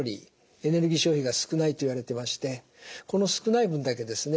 エネルギー消費が少ないといわれてましてこの少ない分だけですね